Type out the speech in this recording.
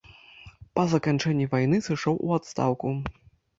Па заканчэнні вайны сышоў у адстаўку.